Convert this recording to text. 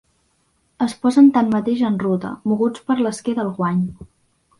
Es posen tanmateix en ruta, moguts per l'esquer del guany.